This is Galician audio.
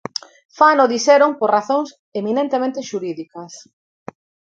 Fano, dixeron, "por razóns eminentemente xurídicas".